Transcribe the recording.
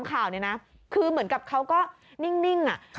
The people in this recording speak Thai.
อะไรทับอะไรนะ